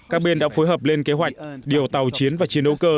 các bên đã phối hợp lên kế hoạch điều tàu chiến và chiến đấu cơ